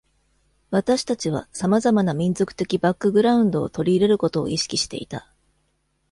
私たちは様々な民族的バックグラウンドを取り入れることを意識していた。